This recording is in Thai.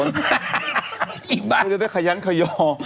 มันก็จะได้ขยันขย่อ